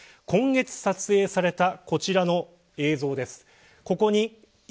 今月撮影されたこちらの映像です。